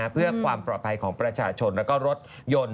เพื่อความปลอดภัยของประชาชนและรถยนต์